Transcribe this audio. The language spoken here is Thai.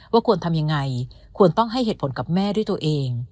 ควรทำยังไงควรต้องให้เหตุผลกับแม่ด้วยตัวเอง